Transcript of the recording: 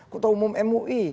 kota umum mui